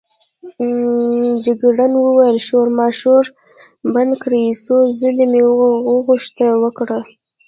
جګړن وویل: شورماشور بند کړئ، څو ځلې مې غوښتنه وکړه.